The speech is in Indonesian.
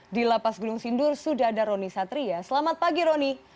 di lapas gunung sindur sudah ada roni satria selamat pagi roni